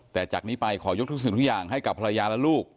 แต่จากนี้ไปขอยกทุกสิ่งทุกอย่างให้กับภรรยาและลูก